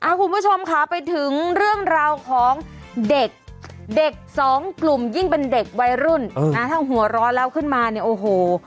คุณผู้ชมค่ะไปถึงเรื่องราวของเด็กเด็กสองกลุ่มยิ่งเป็นเด็กวัยรุ่นนะถ้าหัวร้อนแล้วขึ้นมาเนี่ยโอ้โห